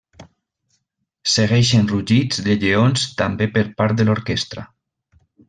Segueixen rugits de lleons també per part de l'orquestra.